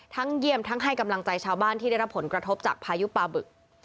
เยี่ยมทั้งให้กำลังใจชาวบ้านที่ได้รับผลกระทบจากพายุปลาบึก